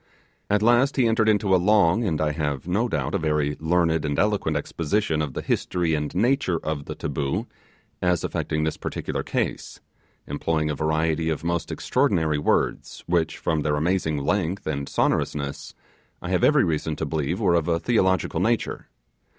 At last he entered into a long, and I have no doubt a very learned and eloquent exposition of the history and nature of the 'taboo' as affecting this particular case; employing a variety of most extraordinary words, which, from their amazing length and sonorousness, I have every reason to believe were of a theological nature.